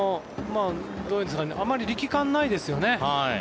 あまり力感がないですよね。